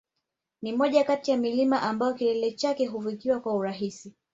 Ni moja kati ya milima ambayo kilele chake hufikiwa kwa urahisi